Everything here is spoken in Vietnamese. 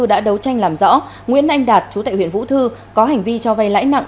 đã đấu tranh làm rõ nguyễn anh đạt chú tại huyện vũ thư có hành vi cho vay lãi nặng